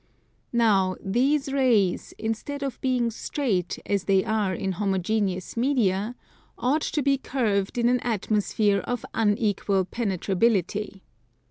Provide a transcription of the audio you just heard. Now these rays, instead of being straight as they are in homogeneous media, ought to be curved in an atmosphere of unequal penetrability.